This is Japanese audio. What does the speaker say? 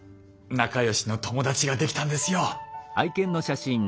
仲良しの友達ができたんですよ。